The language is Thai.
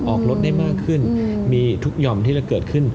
ออกรถได้มากขึ้นมีทุกหย่อมที่จะเกิดขึ้น